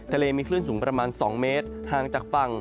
ทะเลมีคลื่นสูงประมาณ๒เมตรห่างจากฝั่ง